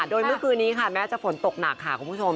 โดยเมื่อคืนนี้ค่ะแม้จะฝนตกหนักค่ะคุณผู้ชม